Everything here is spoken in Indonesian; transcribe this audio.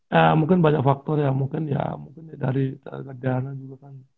ya mungkin banyak faktor yang mungkin ya mungkin dari negara juga kan